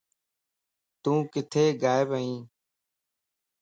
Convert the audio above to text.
تو ڪٿي غائب ائين؟